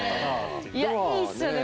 いやいいっすよね